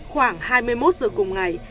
khoảng hai mươi một giờ cùng ngày